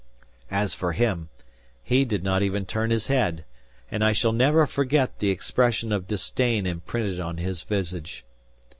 As for him, he did not even turn his head; and I shall never forget the expression of disdain imprinted on his visage.